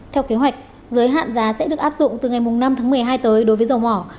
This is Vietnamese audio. theo kế hoạch giới hạn giá sẽ được áp dụng từ ngày năm tháng một mươi hai tới đối với dầu mỏ